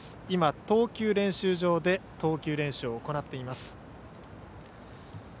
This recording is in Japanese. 今、投球練習場で投球練習を行っています。